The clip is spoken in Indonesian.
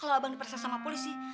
kalau abang diperseng sama polisi